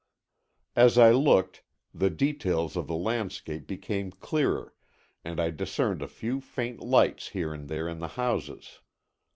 As I looked, the details of the landscape became clearer and I discerned a few faint lights here and there in the houses.